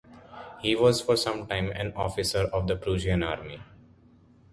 He was for some time an officer of the Prussian army.